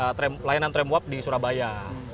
ini diperkenalkan oleh pelayanan tram uap di surabaya